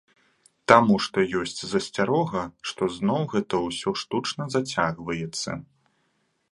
Таму што ёсць засцярога, што зноў гэта ўсё штучна зацягваецца.